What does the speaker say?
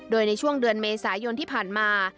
โดยในช่วงเดือนเมษายนที่ผ่านมา